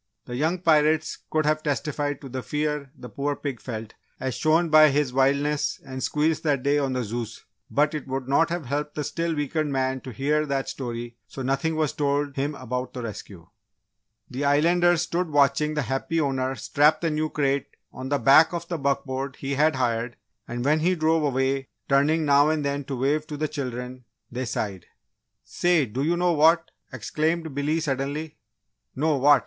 The young pirates could have testified to the fear the poor pig felt as shown by his wildness and squeals that day on the Zeus, but it would not have helped the still weakened man to hear that story so nothing was told him about the rescue. The Islanders stood watching the happy owner strap the new crate on the back of the buckboard he had hired, and when he drove way, turning now and then to wave to the children, they sighed. "Say, do you know what?" exclaimed Billy, suddenly. "No, what?"